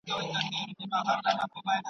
تلویزیون مختلف تفریحي پروګرامونه لري